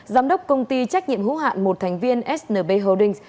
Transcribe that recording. giám đốc công ty trách nhiệm hữu hạn một thành viên snb holdings